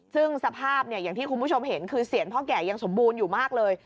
ซึ่งสภาพอย่างที่คุณผู้ชมเห็นคือเสียงพ่อแก่ยังสมบูรณ์อยู่มากเลย